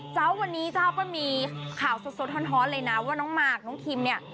เจ้าวันนี้เจ้าก็มีข่าวสดร้อนเลยนะว่าน้องหมากน้องคิมเนี่ย